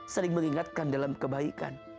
saling mengingatkan dalam kebaikan